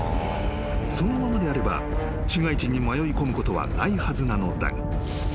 ［そのままであれば市街地に迷いこむことはないはずなのだが］